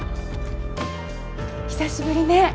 久しぶりね